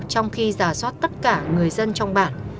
trong khi giả soát tất cả người dân trong bản